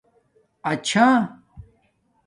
اچھا